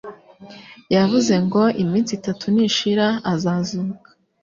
yavuze ngo iminsi itatu nishira azazuka.